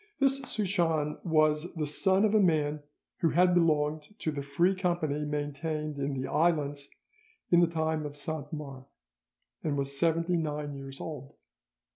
This Souchon was the son of a man who had belonged to the Free Company maintained in the islands in the time of Saint Mars, and was seventy nine years old.